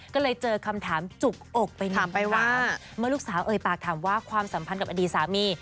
ก็เลยเจอคำถามจุกอกไปนำไปว่าเมื่อลูกสาวเอ่ยปากถามว่าความสัมพันธ์กับอดีตสามี